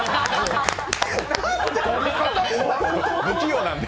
不器用なんで。